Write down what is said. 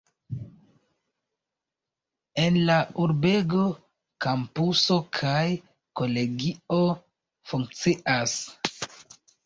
En la urbego kampuso kaj kolegio funkcias.